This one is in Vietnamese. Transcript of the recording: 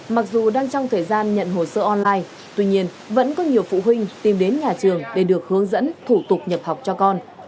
mặc dù đang trong thời gian nhận hồ sơ online tuy nhiên vẫn có nhiều phụ huynh tìm đến nhà trường để được hướng dẫn thủ tục nhập học cho con